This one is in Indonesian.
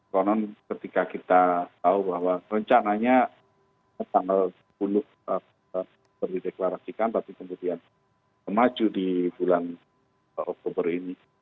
konon ketika kita tahu bahwa rencananya tanggal sepuluh baru dideklarasikan tapi kemudian maju di bulan oktober ini